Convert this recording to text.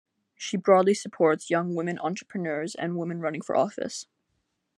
She broadly supports young women entrepreneurs and women running for office.